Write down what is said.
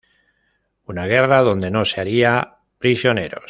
Una guerra donde no se haría prisioneros.